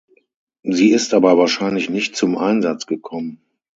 Sie ist aber wahrscheinlich nicht zum Einsatz gekommen.